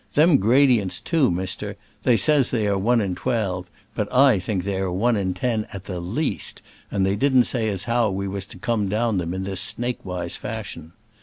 Them gra dients, too, mister, they says they are one in twelve, but I think they are one in ten, at the least, and they didn't say as how we was to come down them in that snakewise fashion.